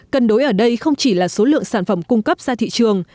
cân đối ở đây không chỉ là số lượng sản phẩm cung cấp ra thị trường